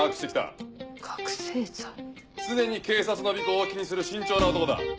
常に警察の尾行を気にする慎重な男だ。